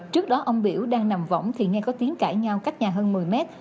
trước đó ông biểu đang nằm võng thì nghe có tiếng cãi nhau cách nhà hơn một mươi mét